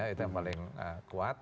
itu yang paling kuat